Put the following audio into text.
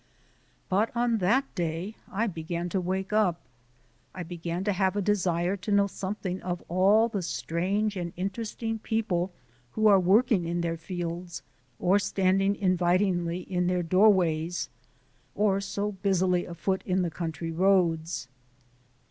But on that day I began to wake up; I began to have a desire to know something of all the strange and interesting people who are working in their fields, or standing invitingly in their doorways, or so busily afoot in the country roads.